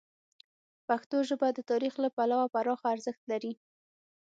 پښتو ژبه د تاریخ له پلوه پراخه ارزښت لري.